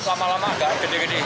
lama lama agak gede gede